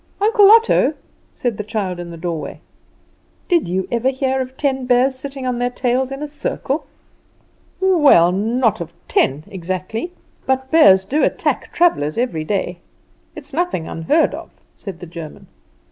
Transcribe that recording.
"Uncle Otto," said the child in the doorway, "did you ever hear of ten bears sitting on their tails in a circle?" "Well, not of ten exactly: but bears do attack travellers every day. It is nothing unheard of," said the German.